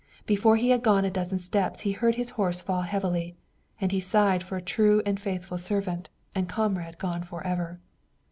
Before he had gone a dozen steps he heard his horse fall heavily, and he sighed for a true and faithful servant and comrade gone forever.